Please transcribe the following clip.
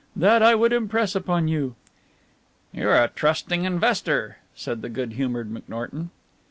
That I would impress upon you." "You are a trusting investor," said the good humoured McNorton.